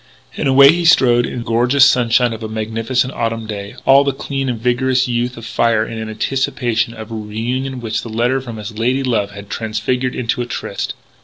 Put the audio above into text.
And away he strode in the gorgeous sunshine of a magnificent autumn day, all the clean and vigorous youth of him afire in anticipation of a reunion which the letter from his lady love had transfigured into a tryst.